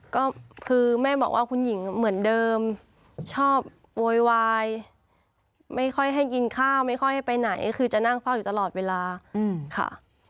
ก็คือแม่บอกว่าคุณหญิงเหมือนเดิมชอบโวยวายไม่ค่อยให้กินข้าวไม่ค่อยไปไหนคือจะนั่งเฝ้าอยู่ตลอดเวลาค่ะ